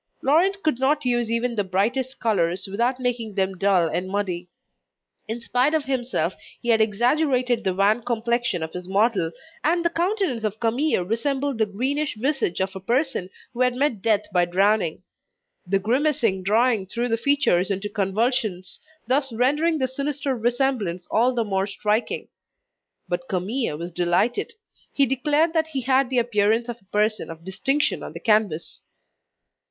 Laurent could not use even the brightest colours, without making them dull and muddy. In spite of himself he had exaggerated the wan complexion of his model, and the countenance of Camille resembled the greenish visage of a person who had met death by drowning. The grimacing drawing threw the features into convulsions, thus rendering the sinister resemblance all the more striking. But Camille was delighted; he declared that he had the appearance of a person of distinction on the canvas.